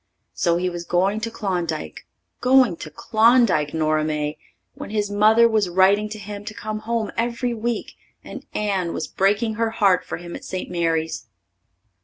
So he was going to Klondike going to Klondike, Nora May, when his mother was writing to him to come home every week and Anne was breaking her heart for him at St. Mary's.